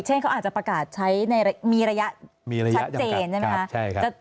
เขาอาจจะประกาศใช้มีระยะชัดเจนใช่ไหมคะ